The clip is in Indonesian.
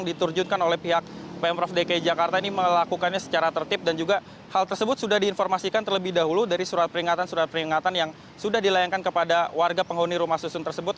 diterjunkan oleh pihak pemprov dki jakarta ini melakukannya secara tertib dan juga hal tersebut sudah diinformasikan terlebih dahulu dari surat peringatan surat peringatan yang sudah dilayangkan kepada warga penghuni rumah susun tersebut